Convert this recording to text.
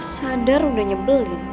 sadar udah nyebelin